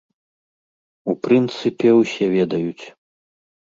У прынцыпе, усе ведаюць.